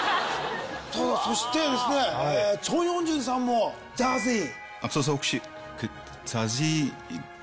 そしてチョン・ヨンジュンさんもＺＡＺＹ。